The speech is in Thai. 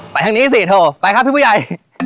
ทางนี้สิโทรไปครับพี่ผู้ใหญ่